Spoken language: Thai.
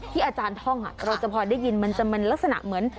อาจารย์ท่องเราจะพอได้ยินมันจะเป็นลักษณะเหมือน